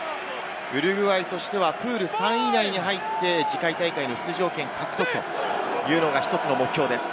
ウルグアイとしてはプール３位以内に入って、次回大会の出場権獲得というのが１つの目標です。